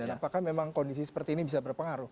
apakah memang kondisi seperti ini bisa berpengaruh